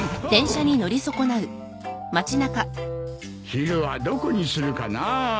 昼はどこにするかなあ。